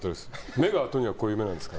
目がとにかくこういう目なんです。